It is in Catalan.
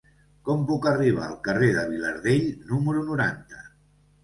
Com puc arribar al carrer de Vilardell número noranta?